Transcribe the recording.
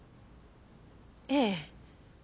ええ。